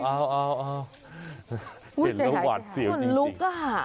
อ้าวเห็นแล้วหวานเสียวจริง